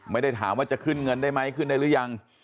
ไม่ได้ถามว่าจะขึ้นเงินได้ไหมขึ้นได้หรือยัง